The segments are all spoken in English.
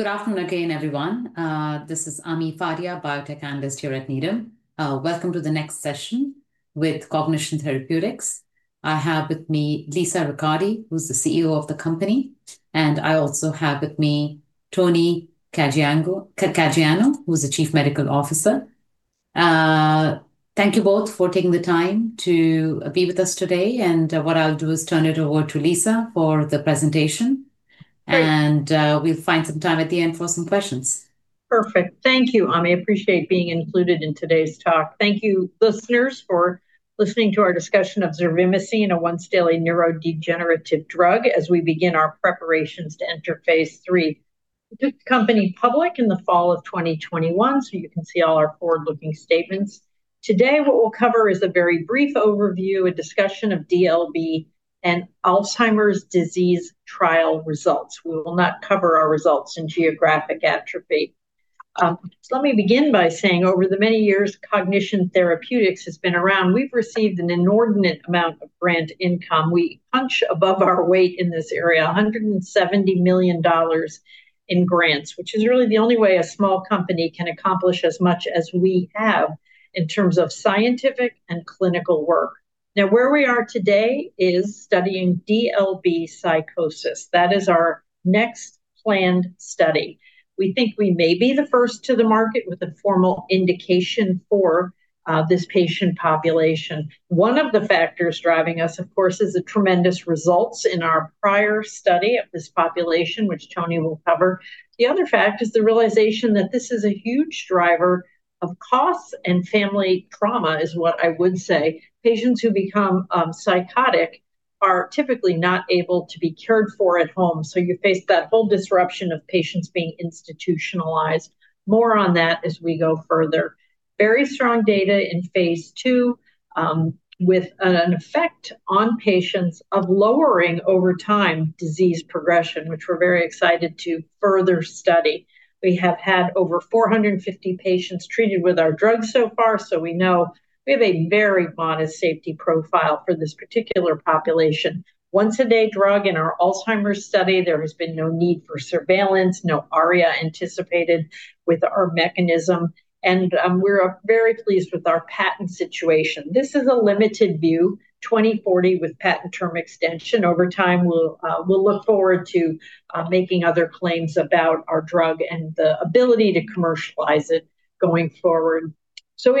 Good afternoon again, everyone. This is Ami Fadia, Biotech Analyst here at Needham. Welcome to the next session with Cognition Therapeutics. I have with me Lisa Ricciardi, who's the CEO of the company. I also have with me Tony Caggiano, who's the Chief Medical Officer. Thank you both for taking the time to be with us today. What I'll do is turn it over to Lisa for the presentation. Great. We'll find some time at the end for some questions. Perfect. Thank you, Ami. I appreciate being included in today's talk. Thank you, listeners, for listening to our discussion of zervimesine, a once-daily neurodegenerative drug, as we begin our preparations to enter Phase III. We took the company public in the fall of 2021, so you can see all our forward-looking statements. Today, what we'll cover is a very brief overview, a discussion of DLB and Alzheimer's disease trial results. We will not cover our results in geographic atrophy. Let me begin by saying, over the many years Cognition Therapeutics has been around, we've received an inordinate amount of grant income. We punch above our weight in this area, $170 million in grants, which is really the only way a small company can accomplish as much as we have in terms of scientific and clinical work. Now, where we are today is studying DLB psychosis. That is our next planned study. We think we may be the first to the market with a formal indication for this patient population. One of the factors driving us, of course, is the tremendous results in our prior study of this population, which Tony will cover. The other fact is the realization that this is a huge driver of costs and family trauma, is what I would say. Patients who become psychotic are typically not able to be cared for at home, so you face that whole disruption of patients being institutionalized. More on that as we go further. Very strong data in Phase II, with an effect on patients of lowering over time disease progression, which we're very excited to further study. We have had over 450 patients treated with our drug so far, so we know we have a very modest safety profile for this particular population. Once a day drug in our Alzheimer's study, there has been no need for surveillance, no ARIA anticipated with our mechanism, and we're very pleased with our patent situation. This is a limited view, 2040 with patent term extension. Over time, we'll look forward to making other claims about our drug and the ability to commercialize it going forward.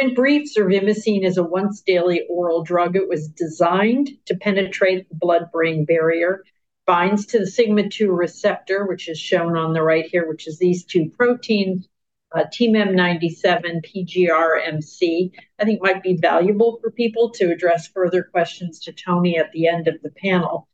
In brief, zervimesine is a once daily oral drug. It was designed to penetrate the blood-brain barrier. Binds to the sigma-2 receptor, which is shown on the right here, which is these two proteins, TMEM97, PGRMC1. I think it might be valuable for people to address further questions to Tony at the end of the panel.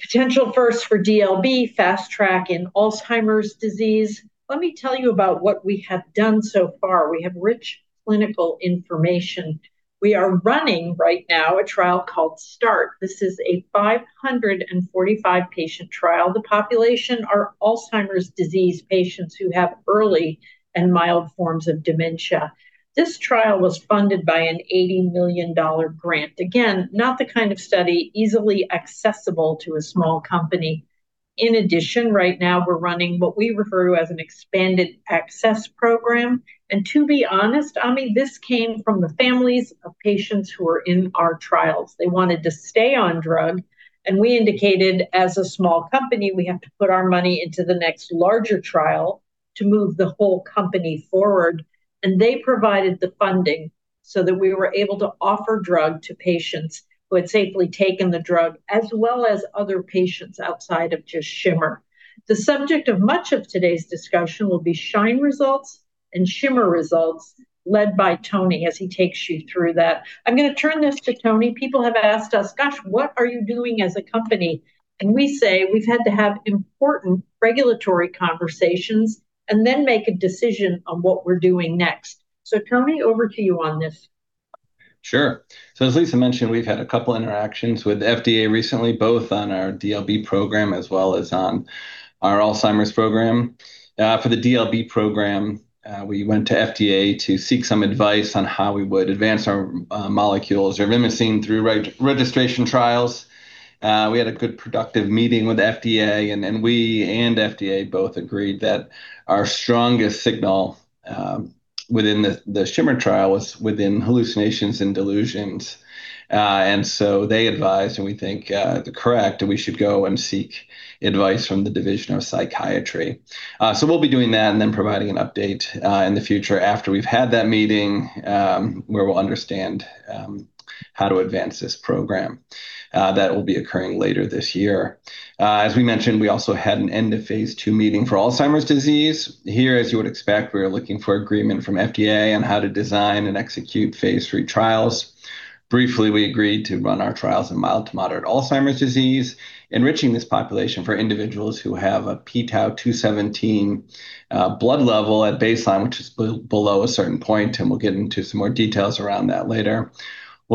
Potential first for DLB, Fast Track in Alzheimer's disease. Let me tell you about what we have done so far. We have rich clinical information. We are running right now a trial called START. This is a 545-patient trial. The population are Alzheimer's disease patients who have early and mild forms of dementia. This trial was funded by an $80 million grant. Again, not the kind of study easily accessible to a small company. In addition, right now we're running what we refer to as an expanded access program. To be honest, Ami, this came from the families of patients who are in our trials. They wanted to stay on drug, and we indicated, as a small company, we have to put our money into the next larger trial to move the whole company forward. They provided the funding so that we were able to offer drug to patients who had safely taken the drug, as well as other patients outside of just SHIMMER. The subject of much of today's discussion will be SHINE results and SHIMMER results led by Tony as he takes you through that. I'm going to turn this to Tony. People have asked us, "Gosh, what are you doing as a company?" We say, "We've had to have important regulatory conversations and then make a decision on what we're doing next." Tony, over to you on this. Sure. As Lisa mentioned, we've had a couple interactions with FDA recently, both on our DLB program as well as on our Alzheimer's program. For the DLB program, we went to FDA to seek some advice on how we would advance our molecule, zervimesine, through registration trials. We had a good, productive meeting with FDA, and we and FDA both agreed that our strongest signal within the SHIMMER trial was within hallucinations and delusions. They advised, and we think correctly, that we should go and seek advice from the Division of Psychiatry. We'll be doing that and then providing an update in the future after we've had that meeting, where we'll understand how to advance this program. That will be occurring later this year. As we mentioned, we also had an end-of-Phase II meeting for Alzheimer's disease. Here, as you would expect, we are looking for agreement from FDA on how to design and execute Phase III trials. Briefly, we agreed to run our trials in mild to moderate Alzheimer's disease, enriching this population for individuals who have a p-tau217 blood level at baseline which is below a certain point, and we'll get into some more details around that later. We'll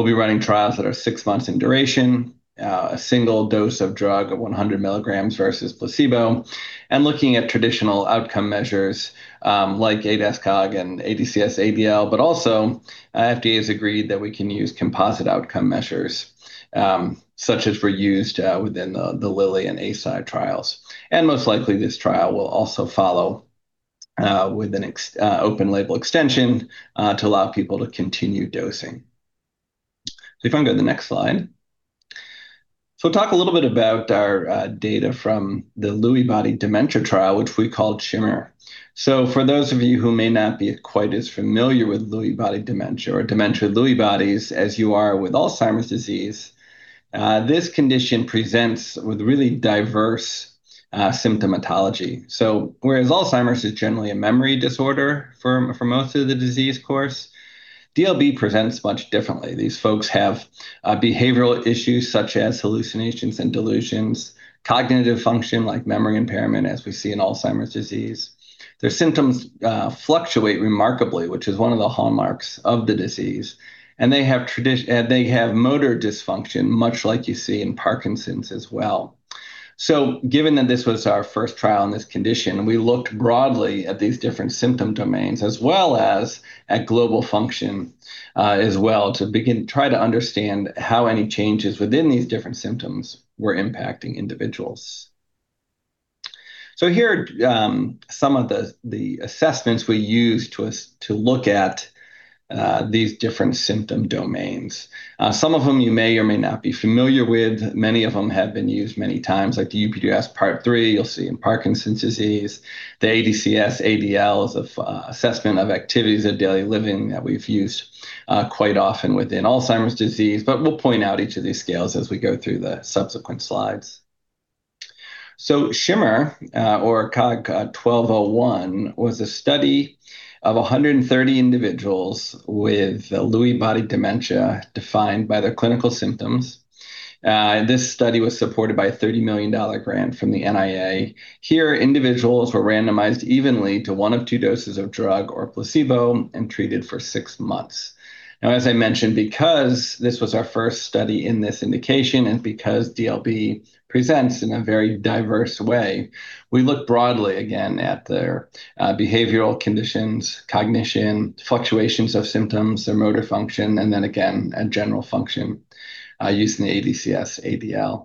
be running trials that are six months in duration, a single dose of drug of 100 milligrams versus placebo, and looking at traditional outcome measures like ADAS-Cog and ADCS-ADL, but also FDA has agreed that we can use composite outcome measures, such as were used within the Eli Lilly and Eisai trials. Most likely this trial will also follow with an open-label extension to allow people to continue dosing. If I can go to the next slide. I'll talk a little bit about our data from the Lewy body dementia trial, which we called SHIMMER. For those of you who may not be quite as familiar with Lewy body dementia or dementia with Lewy bodies as you are with Alzheimer's disease, this condition presents with really diverse symptomatology. Whereas Alzheimer's is generally a memory disorder for most of the disease course, DLB presents much differently. These folks have behavioral issues such as hallucinations and delusions, cognitive function like memory impairment, as we see in Alzheimer's disease. Their symptoms fluctuate remarkably, which is one of the hallmarks of the disease. They have motor dysfunction, much like you see in Parkinson's as well. Given that this was our first trial in this condition, we looked broadly at these different symptom domains as well as at global function as well, to try to understand how any changes within these different symptoms were impacting individuals. Here are some of the assessments we used to look at these different symptom domains. Some of them you may or may not be familiar with. Many of them have been used many times, like the UPDRS Part III you'll see in Parkinson's disease, the ADCS-ADL of assessment of activities of daily living that we've used quite often within Alzheimer's disease. We'll point out each of these scales as we go through the subsequent slides. SHIMMER or COG1201 was a study of 130 individuals with Lewy body dementia defined by their clinical symptoms. This study was supported by a $30 million grant from the NIA. Here, individuals were randomized evenly to one of two doses of drug or placebo and treated for six months. Now, as I mentioned, because this was our first study in this indication, and because DLB presents in a very diverse way, we looked broadly again at their behavioral conditions, cognition, fluctuations of symptoms, their motor function, and then again at general function using the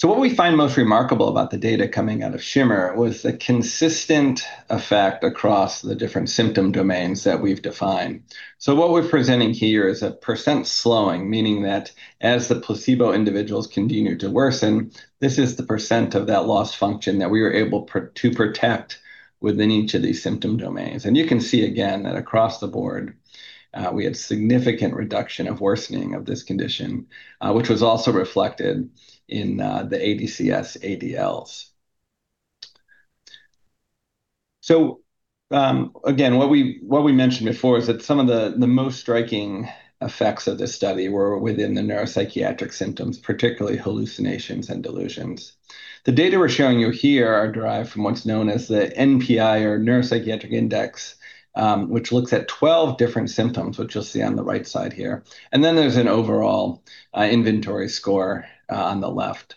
ADCS-ADL. What we find most remarkable about the data coming out of SHIMMER was the consistent effect across the different symptom domains that we've defined. What we're presenting here is a percent slowing, meaning that as the placebo individuals continued to worsen, this is the percent of that lost function that we were able to protect within each of these symptom domains. You can see again that across the board, we had significant reduction of worsening of this condition, which was also reflected in the ADCS-ADLs. Again, what we mentioned before is that some of the most striking effects of this study were within the neuropsychiatric symptoms, particularly hallucinations and delusions. The data we're showing you here are derived from what's known as the NPI or Neuropsychiatric Inventory, which looks at 12 different symptoms, which you'll see on the right side here. There's an overall inventory score on the left.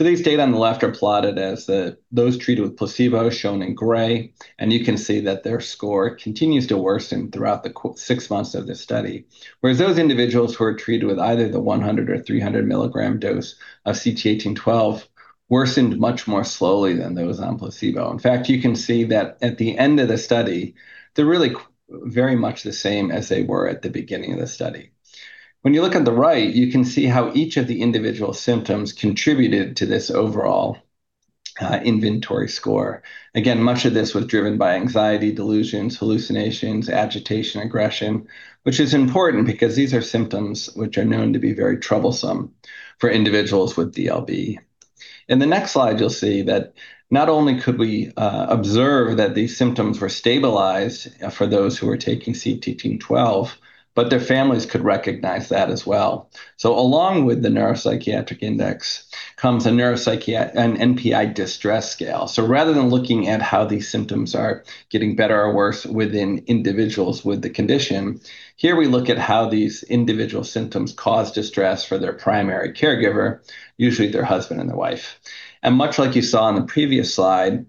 These data on the left are plotted as those treated with placebo shown in gray, and you can see that their score continues to worsen throughout the six months of this study. Whereas those individuals who are treated with either the 100 or 300 milligram dose of CT1812 worsened much more slowly than those on placebo. In fact, you can see that at the end of the study, they're really very much the same as they were at the beginning of the study. When you look on the right, you can see how each of the individual symptoms contributed to this overall inventory score. Again, much of this was driven by anxiety, delusions, hallucinations, agitation, aggression, which is important because these are symptoms which are known to be very troublesome for individuals with DLB. In the next slide, you'll see that not only could we observe that these symptoms were stabilized for those who were taking CT1812, but their families could recognize that as well. Along with the Neuropsychiatric Index comes an NPI Distress Scale. Rather than looking at how these symptoms are getting better or worse within individuals with the condition, here we look at how these individual symptoms cause distress for their primary caregiver, usually their husband and their wife. Much like you saw on the previous slide,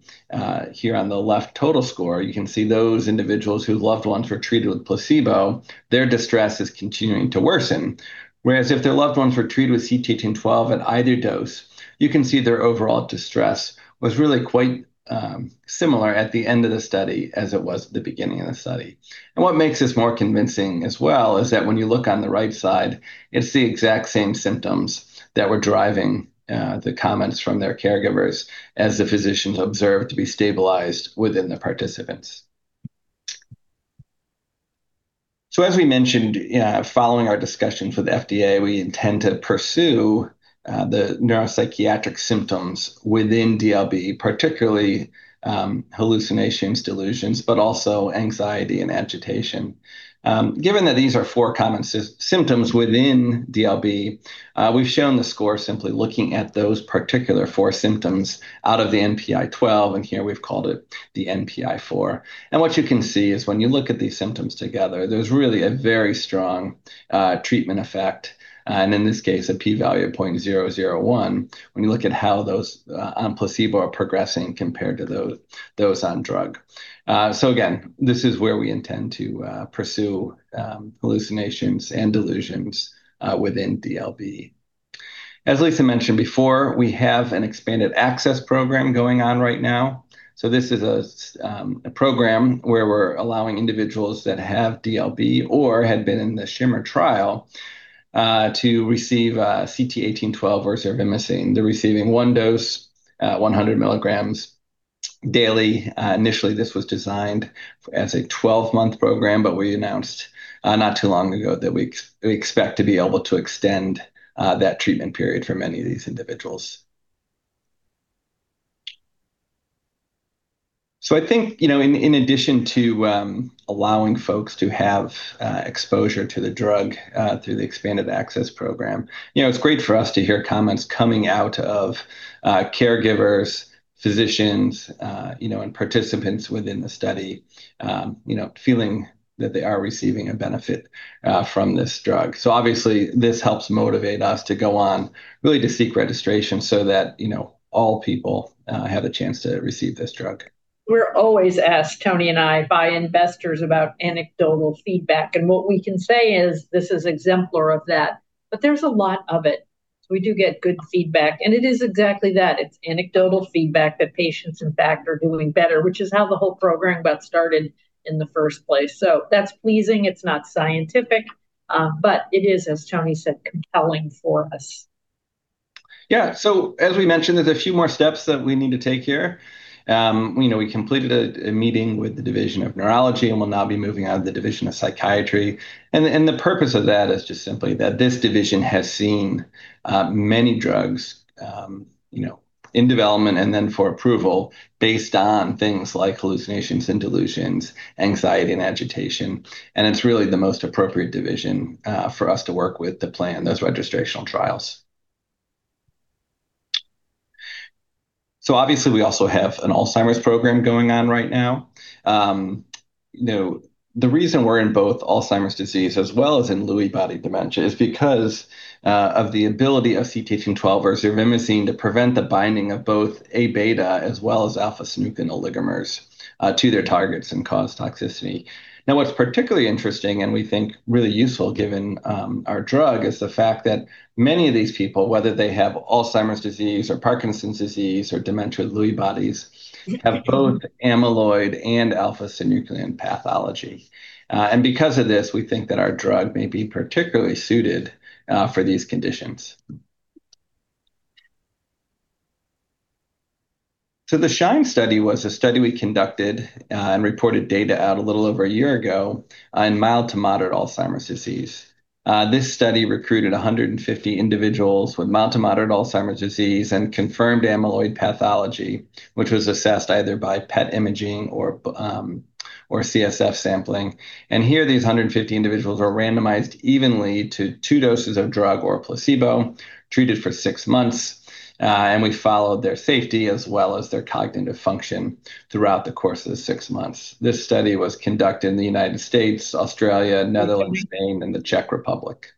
here on the left total score, you can see those individuals whose loved ones were treated with placebo, their distress is continuing to worsen. Whereas if their loved ones were treated with CT1812 at either dose, you can see their overall distress was really quite similar at the end of the study as it was at the beginning of the study. What makes this more convincing as well is that when you look on the right side, it's the exact same symptoms that were driving the comments from their caregivers as the physicians observed to be stabilized within the participants. As we mentioned following our discussions with FDA, we intend to pursue the neuropsychiatric symptoms within DLB, particularly hallucinations, delusions, but also anxiety and agitation. Given that these are four common symptoms within DLB, we've shown the score simply looking at those particular four symptoms out of the NPI-12, and here we've called it the NPI-4. What you can see is when you look at these symptoms together, there's really a very strong treatment effect, in this case, a p-value of 0.001 when you look at how those on placebo are progressing compared to those on drug. Again, this is where we intend to pursue hallucinations and delusions within DLB. As Lisa mentioned before, we have an expanded access program going on right now. This is a program where we're allowing individuals that have DLB or had been in the SHIMMER trial to receive CT1812 or zervimesine. They're receiving one dose, 100 milligrams daily. Initially, this was designed as a 12-month program, but we announced not too long ago that we expect to be able to extend that treatment period for many of these individuals. I think, in addition to allowing folks to have exposure to the drug through the expanded access program, it's great for us to hear comments coming out of caregivers, physicians, and participants within the study feeling that they are receiving a benefit from this drug. Obviously, this helps motivate us to go on, really, to seek registration so that all people have a chance to receive this drug. We're always asked, Tony and I, by investors about anecdotal feedback, and what we can say is this is exemplar of that. There's a lot of it. We do get good feedback, and it is exactly that. It's anecdotal feedback that patients, in fact, are doing better, which is how the whole program got started in the first place. That's pleasing. It's not scientific, but it is, as Tony said, compelling for us. Yeah. As we mentioned, there's a few more steps that we need to take here. We completed a meeting with the Division of Neurology, and we'll now be moving on to the Division of Psychiatry, and the purpose of that is just simply that this division has seen many drugs in development and then for approval based on things like hallucinations and delusions, anxiety and agitation. It's really the most appropriate division for us to work with to plan those registrational trials. Obviously, we also have an Alzheimer's program going on right now. The reason we're in both Alzheimer's disease as well as in Lewy body dementia is because of the ability of CT1812 or zervimesine to prevent the binding of both Aβ as well as alpha-synuclein oligomers to their targets and cause toxicity. Now, what's particularly interesting, and we think really useful given our drug, is the fact that many of these people, whether they have Alzheimer's disease or Parkinson's disease or dementia with Lewy bodies, have both amyloid and alpha-synuclein pathology. Because of this, we think that our drug may be particularly suited for these conditions. The SHINE study was a study we conducted and reported data out a little over a year ago on mild to moderate Alzheimer's disease. This study recruited 150 individuals with mild to moderate Alzheimer's disease and confirmed amyloid pathology, which was assessed either by PET imaging or CSF sampling. Here, these 150 individuals were randomized evenly to two doses of drug or a placebo, treated for six months, and we followed their safety as well as their cognitive function throughout the course of the six months. This study was conducted in the United States, Australia, Netherlands, Spain, and the Czech Republic.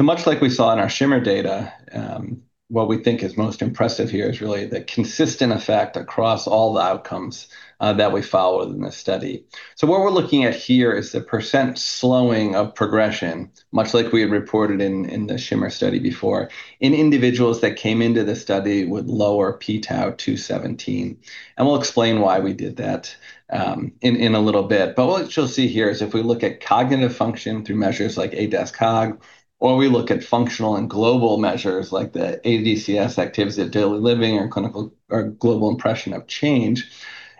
Much like we saw in our SHIMMER data, what we think is most impressive here is really the consistent effect across all the outcomes that we followed in this study. What we're looking at here is the % slowing of progression, much like we had reported in the SHIMMER study before, in individuals that came into the study with lower p-tau217, and we'll explain why we did that in a little bit. What you'll see here is if we look at cognitive function through measures like ADAS-Cog, or we look at functional and global measures like the ADCS, Activities of Daily Living, or Global Impression of Change.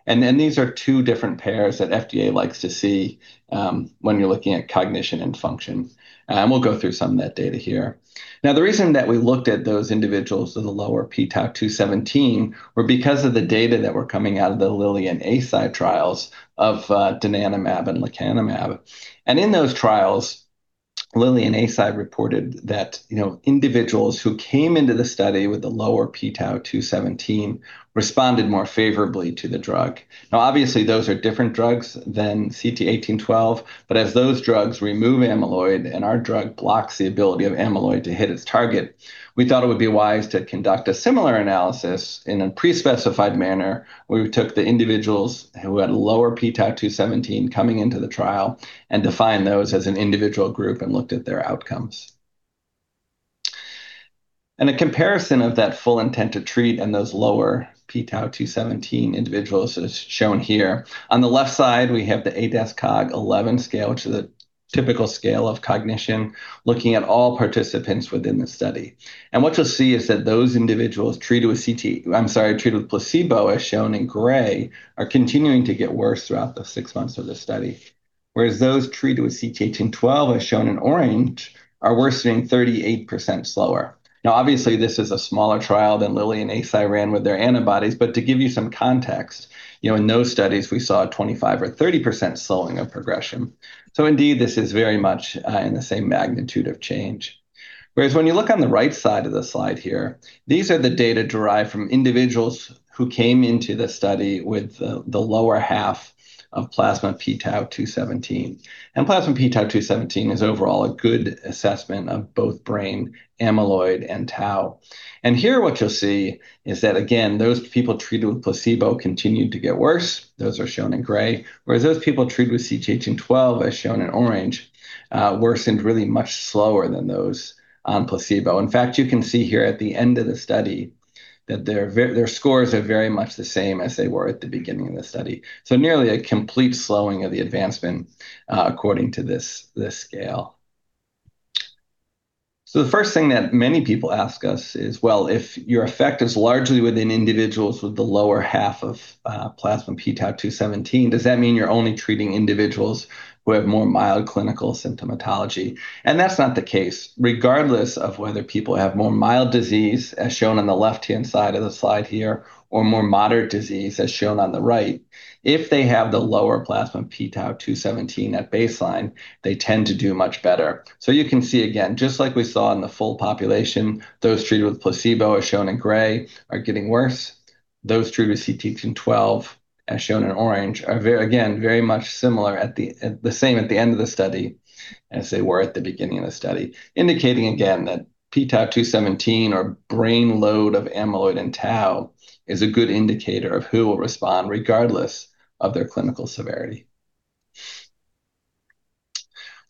These are two different pairs that FDA likes to see when you're looking at cognition and function. We'll go through some of that data here. Now, the reason that we looked at those individuals with the lower p-tau217 were because of the data that were coming out of the Eli Lilly and Eisai trials of donanemab and lecanemab. In those trials, Eli Lilly and Eisai reported that individuals who came into the study with the lower p-tau217 responded more favorably to the drug. Now, obviously, those are different drugs than CT1812, but as those drugs remove amyloid and our drug blocks the ability of amyloid to hit its target, we thought it would be wise to conduct a similar analysis in a pre-specified manner, where we took the individuals who had lower p-tau217 coming into the trial and defined those as an individual group and looked at their outcomes. A comparison of that full intent to treat in those lower p-tau217 individuals is shown here. On the left side, we have the ADAS-Cog 11 scale, which is a typical scale of cognition, looking at all participants within the study. What you'll see is that those individuals treated with placebo, as shown in gray, are continuing to get worse throughout the six months of the study. Whereas those treated with CT1812, as shown in orange, are worsening 38% slower. Now, obviously, this is a smaller trial than Eli Lilly and Eisai ran with their antibodies, but to give you some context, in those studies, we saw a 25% or 30% slowing of progression. Indeed, this is very much in the same magnitude of change. Whereas when you look on the right side of the slide here, these are the data derived from individuals who came into the study with the lower half of plasma p-tau217. Plasma p-tau217 is overall a good assessment of both brain amyloid and tau. Here what you'll see is that, again, those people treated with placebo continued to get worse. Those are shown in gray, whereas those people treated with CT1812, as shown in orange, worsened really much slower than those on placebo. In fact, you can see here at the end of the study that their scores are very much the same as they were at the beginning of the study, nearly a complete slowing of the advancement according to this scale. The first thing that many people ask us is, well, if your effect is largely within individuals with the lower half of plasma p-tau217, does that mean you're only treating individuals who have more mild clinical symptomatology? That's not the case. Regardless of whether people have more mild disease, as shown on the left-hand side of the slide here, or more moderate disease, as shown on the right, if they have the lower plasma p-tau217 at baseline, they tend to do much better. You can see again, just like we saw in the full population, those treated with placebo, as shown in gray, are getting worse. Those treated with CT1812, as shown in orange, are again, very much similar at the end of the study as they were at the beginning of the study, indicating again that p-tau217 or brain load of amyloid and tau is a good indicator of who will respond, regardless of their clinical severity.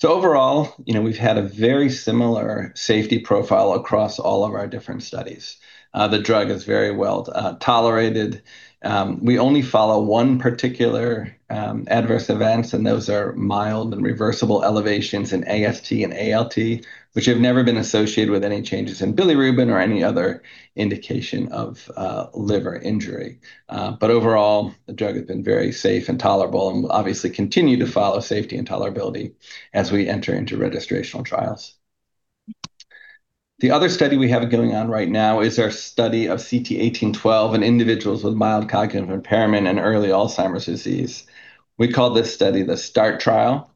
Overall, we've had a very similar safety profile across all of our different studies. The drug is very well-tolerated. We only follow one particular adverse events, and those are mild and reversible elevations in AST and ALT, which have never been associated with any changes in bilirubin or any other indication of liver injury. Overall, the drug has been very safe and tolerable and obviously continue to follow safety and tolerability as we enter into registrational trials. The other study we have going on right now is our study of CT1812 in individuals with mild cognitive impairment and early Alzheimer's disease. We call this study the START trial.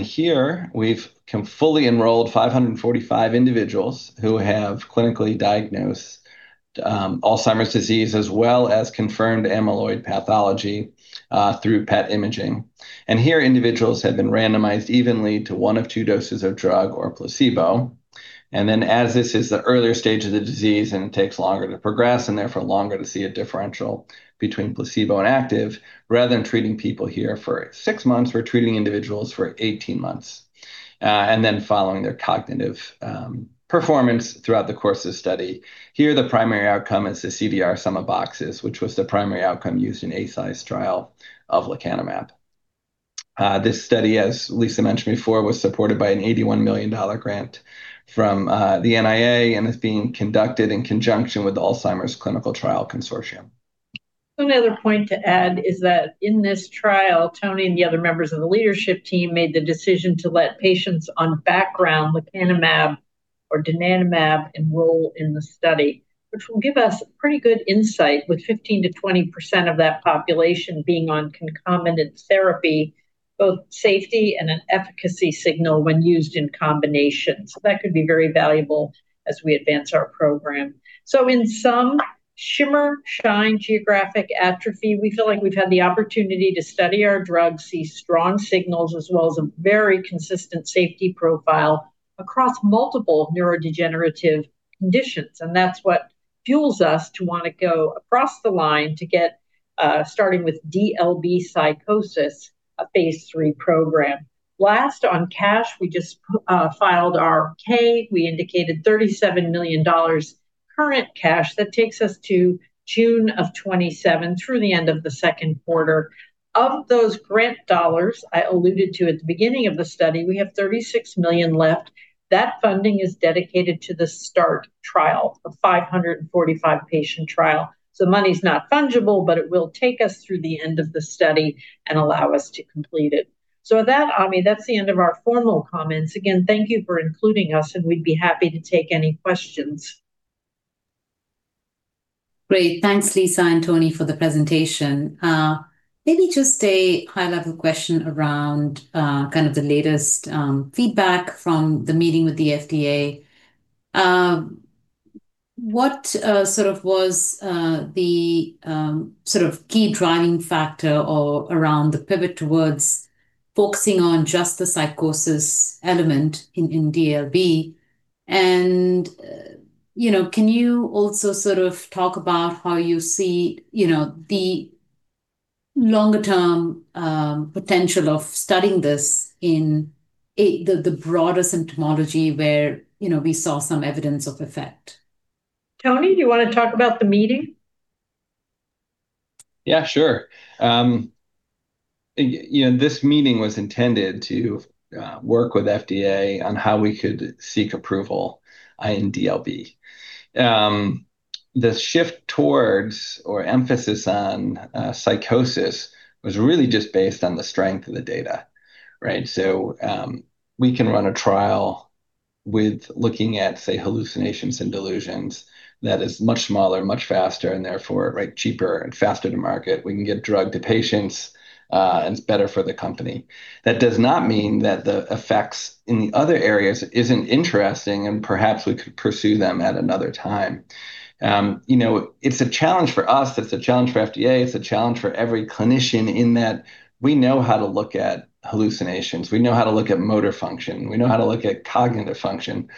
Here we've fully enrolled 545 individuals who have clinically diagnosed Alzheimer's disease, as well as confirmed amyloid pathology through PET imaging. Here individuals have been randomized evenly to one of two doses of drug or placebo. As this is the earlier stage of the disease and it takes longer to progress and therefore longer to see a differential between placebo and active, rather than treating people here for six months, we're treating individuals for 18 months, and then following their cognitive performance throughout the course of study. Here, the primary outcome is the CDR Sum of Boxes, which was the primary outcome used in Eisai trial of lecanemab. This study, as Lisa mentioned before, was supported by an $81 million grant from the NIA and is being conducted in conjunction with Alzheimer's Clinical Trials Consortium. One other point to add is that in this trial, Tony and the other members of the leadership team made the decision to let patients on background lecanemab or donanemab enroll in the study, which will give us pretty good insight, with 15%-20% of that population being on concomitant therapy, both safety and an efficacy signal when used in combination. That could be very valuable as we advance our program. In sum, SHIMMER, SHINE, Geographic atrophy, we feel like we've had the opportunity to study our drug, see strong signals, as well as a very consistent safety profile across multiple neurodegenerative conditions. That's what fuels us to want to go across the line to get starting with DLB psychosis, a Phase III program. Last, on cash, we just filed our K. We indicated $37 million current cash. That takes us to June of 2027, through the end of the second quarter. Of those grant dollars I alluded to at the beginning of the study, we have $36 million left. That funding is dedicated to the START trial, a 545-patient trial. Money's not fungible, but it will take us through the end of the study and allow us to complete it. With that, Ami, that's the end of our formal comments. Again, thank you for including us, and we'd be happy to take any questions. Great. Thanks, Lisa and Tony, for the presentation. Maybe just a high-level question around kind of the latest feedback from the meeting with the FDA. What sort of was the key driving factor around the pivot towards focusing on just the psychosis element in DLB? Can you also sort of talk about how you see the longer-term potential of studying this in the broader symptomatology where we saw some evidence of effect? Tony, do you want to talk about the meeting? Yeah, sure. This meeting was intended to work with FDA on how we could seek approval in DLB. The shift towards or emphasis on psychosis was really just based on the strength of the data, right? So we can run a trial with looking at, say, hallucinations and delusions that is much smaller, much faster, and therefore cheaper and faster to market. We can get drug to patients, and it's better for the company. That does not mean that the effects in the other areas isn't interesting, and perhaps we could pursue them at another time. It's a challenge for us, it's a challenge for FDA, it's a challenge for every clinician in that we know how to look at hallucinations, we know how to look at motor function, we know how to look at cognitive function.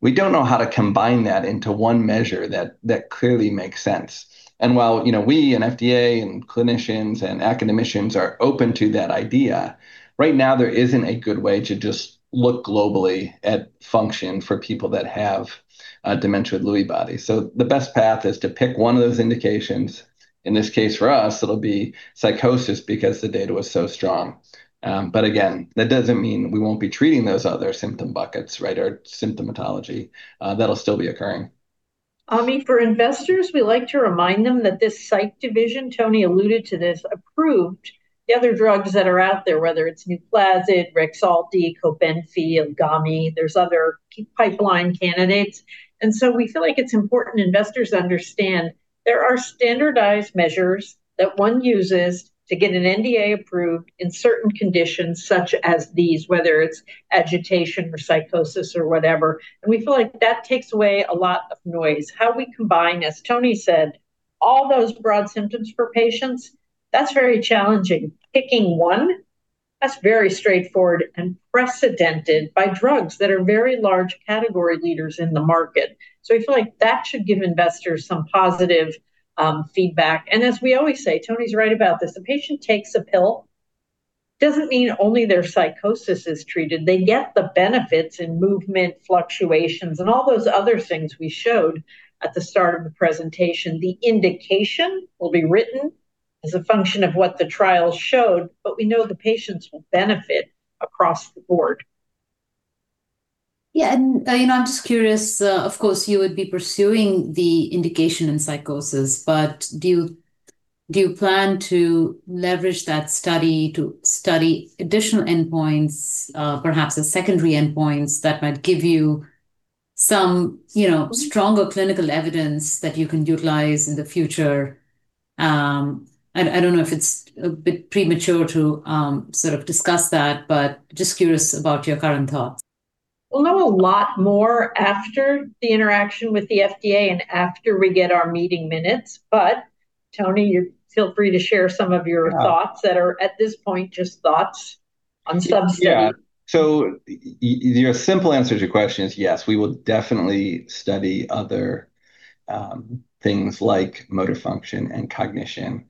We don't know how to combine that into one measure that clearly makes sense. While we and FDA and clinicians and academicians are open to that idea, right now, there isn't a good way to just look globally at function for people that have dementia with Lewy bodies. The best path is to pick one of those indications. In this case, for us, it'll be psychosis because the data was so strong. Again, that doesn't mean we won't be treating those other symptom buckets, or symptomatology. That'll still be occurring. Ami, for investors, we like to remind them that this psych Division, Tony alluded to this, approved the other drugs that are out there, whether it's NUPLAZID, REXULTI, COBENFY, AFICAMTEN. There's other pipeline candidates. We feel like it's important investors understand there are standardized measures that one uses to get an NDA approved in certain conditions such as these, whether it's agitation or psychosis or whatever. We feel like that takes away a lot of noise. How we combine, as Tony said, all those broad symptoms for patients, that's very challenging. Picking one, that's very straightforward and precedented by drugs that are very large category leaders in the market. We feel like that should give investors some positive feedback. As we always say, Tony's right about this. A patient takes a pill, doesn't mean only their psychosis is treated. They get the benefits in movement fluctuations and all those other things we showed at the start of the presentation. The indication will be written as a function of what the trial showed, but we know the patients will benefit across the board. Yeah, I'm just curious. Of course, you would be pursuing the indication in psychosis, but do you plan to leverage that study to study additional endpoints, perhaps as secondary endpoints that might give you some stronger clinical evidence that you can utilize in the future? I don't know if it's a bit premature to discuss that, but just curious about your current thoughts. We'll know a lot more after the interaction with the FDA and after we get our meeting minutes. Tony, you feel free to share. Yeah Thoughts that are, at this point, just thoughts on substudy. Yeah. The simple answer to your question is yes, we will definitely study other things like motor function and cognition,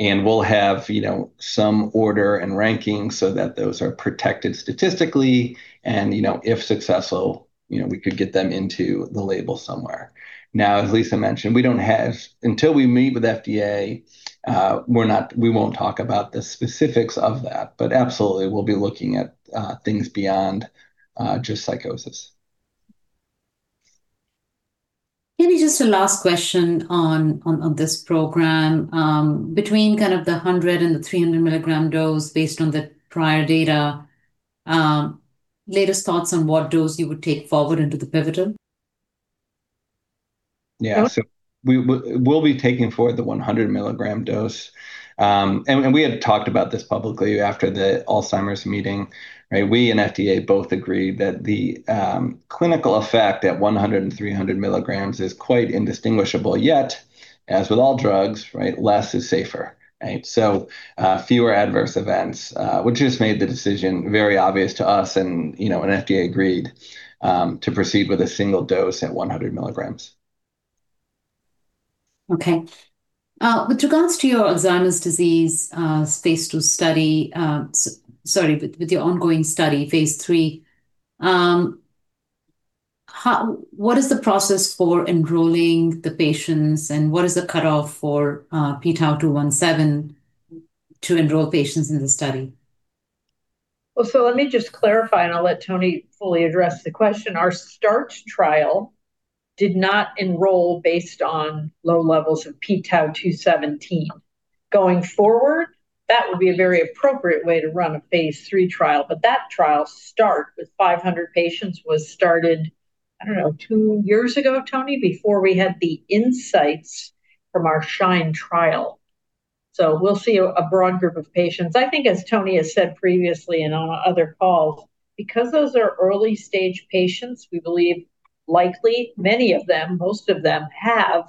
and we'll have some order and ranking so that those are protected statistically. If successful, we could get them into the label somewhere. Now, as Lisa mentioned, until we meet with FDA, we won't talk about the specifics of that. Absolutely, we'll be looking at things beyond just psychosis. Maybe just a last question on this program. Between the 100 and the 300 milligram dose, based on the prior data, latest thoughts on what dose you would take forward into the pivotal? Yeah. We'll be taking forward the 100 mg dose. We had talked about this publicly after the Alzheimer's meeting. We and FDA both agreed that the clinical effect at 100 and 300 mg is quite indistinguishable. Yet, as with all drugs, less is safer. Fewer adverse events, which just made the decision very obvious to us, and FDA agreed, to proceed with a single dose at 100 mg. Okay. With regards to your ongoing study, Phase III, what is the process for enrolling the patients, and what is the cutoff for p-tau217 to enroll patients in the study? Let me just clarify, and I'll let Tony fully address the question. Our START trial did not enroll based on low levels of p-tau217. Going forward, that would be a very appropriate way to run a Phase III trial. That trial, START, with 500 patients, was started, I don't know, two years ago, Tony, before we had the insights from our SHINE trial. We'll see a broad group of patients. I think, as Tony has said previously and on our other calls, because those are early-stage patients, we believe likely many of them, most of them, have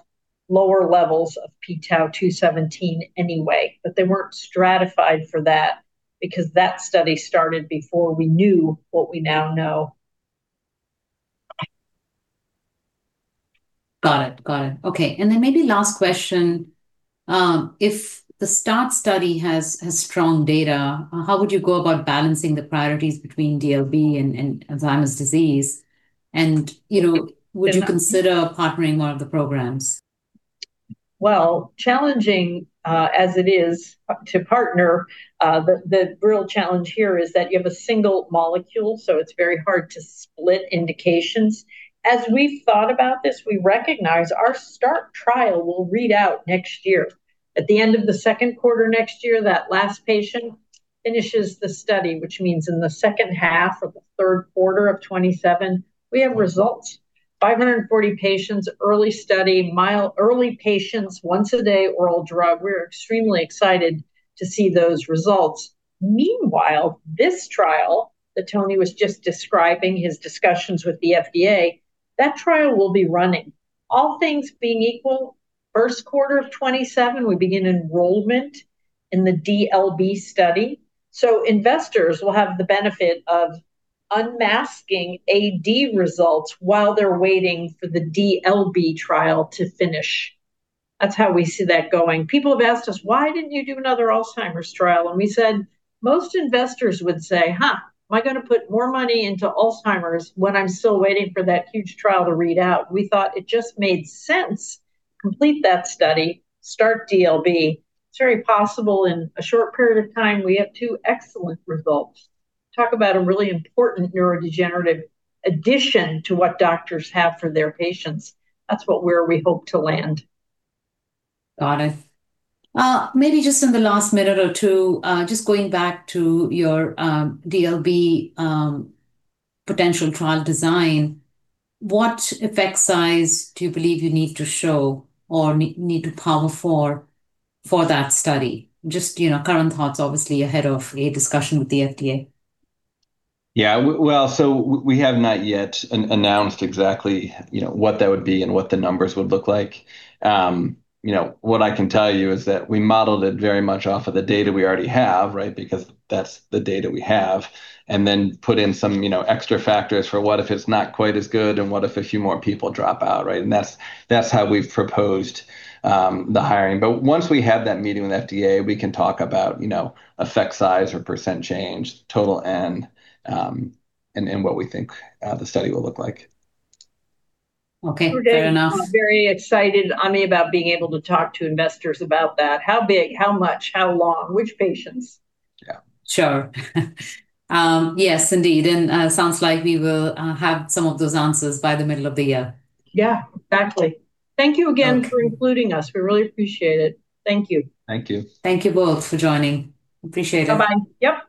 lower levels of p-tau217 anyway. They weren't stratified for that because that study started before we knew what we now know. Got it. Okay. Maybe last question. If the START study has strong data, how would you go about balancing the priorities between DLB and Alzheimer's disease? Would you consider partnering one of the programs? Well, challenging as it is to partner, the real challenge here is that you have a single molecule, so it's very hard to split indications. As we've thought about this, we recognize our START trial will read out next year. At the end of the second quarter next year, that last patient finishes the study, which means in the second half of the third quarter of 2027, we have results. 540 patients, early study, early patients, once a day oral drug. We're extremely excited to see those results. Meanwhile, this trial that Tony was just describing his discussions with the FDA, that trial will be running. All things being equal, first quarter of 2027, we begin enrollment in the DLB study. Investors will have the benefit of unmasking AD results while they're waiting for the DLB trial to finish. That's how we see that going. People have asked us, why didn't you do another Alzheimer's trial? We said most investors would say, am I going to put more money into Alzheimer's when I'm still waiting for that huge trial to read out? We thought it just made sense. Complete that study. START DLB. It's very possible in a short period of time, we have two excellent results. Talk about a really important neurodegenerative addition to what doctors have for their patients. That's where we hope to land. Got it. Maybe just in the last minute or two, just going back to your DLB potential trial design. What effect size do you believe you need to show or need to power for that study? Just current thoughts, obviously, ahead of a discussion with the FDA. Yeah. Well, we have not yet announced exactly what that would be and what the numbers would look like. What I can tell you is that we modeled it very much off of the data we already have, because that's the data we have, and then put in some extra factors for what if it's not quite as good, and what if a few more people drop out. That's how we've proposed the hiring. Once we have that meeting with FDA, we can talk about effect size or % change, total N, and what we think the study will look like. Okay. Fair enough. We're very excited, Ami, about being able to talk to investors about that. How big, how much, how long, which patients? Yeah. Sure. Yes, indeed. Sounds like we will have some of those answers by the middle of the year. Yeah, exactly. Thank you again for including us. We really appreciate it. Thank you. Thank you. Thank you both for joining. Appreciate it. Bye-bye. Yep.